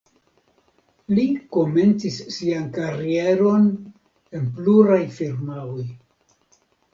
Li komencis sian karieron en pluraj firmaoj.